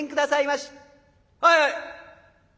「はい。